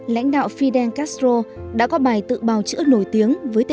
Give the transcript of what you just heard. lãnh đạo fidel castro đã có bài tự bào chức của tổng thống fulgencio batista